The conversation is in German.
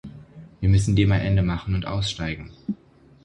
Wir müssen dem ein Ende machen und aussteigen.